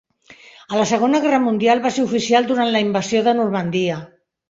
A la segona guerra mundial va ser oficial durant la invasió de Normandia.